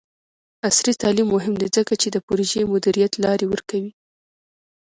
عصري تعلیم مهم دی ځکه چې د پروژې مدیریت لارې ورکوي.